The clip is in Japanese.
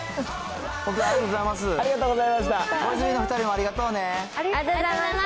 ありがとうございます。